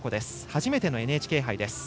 初めてのＮＨＫ杯です。